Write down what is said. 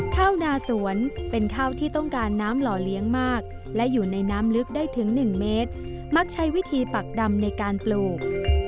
ข้าวนาสวนเป็นข้าวที่ต้องการน้ำหล่อเลี้ยงมากและอยู่ในน้ำลึกได้ถึง๑เมตรมักใช้วิธีปักดำในการปลูก